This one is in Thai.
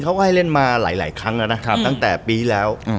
เขาก็ให้เล่นมาหลายครั้งแล้วนะตั้งแต่ปีแล้ว